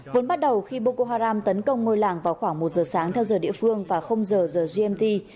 vốn bắt đầu khi bokoharam tấn công ngôi làng vào khoảng một giờ sáng theo giờ địa phương và giờ giờ gmt